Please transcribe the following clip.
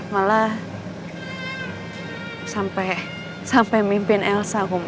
malah sampai mimpin elsa hum